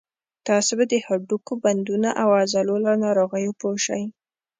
تاسې به د هډوکو، بندونو او عضلو له ناروغیو پوه شئ.